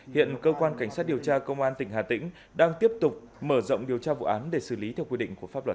hiện cơ quan cảnh sát điều tra công an tỉnh hà tĩnh đang tiếp tục mở rộng điều tra vụ án để xử lý theo quy định của pháp luật